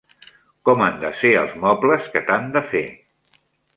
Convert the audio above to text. Com han de ser els mobles que t'han de fer?